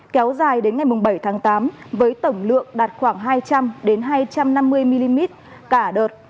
kéo dài đến ngày bảy tháng tám với tổng lượng đạt khoảng hai trăm linh hai trăm năm mươi mm cả đợt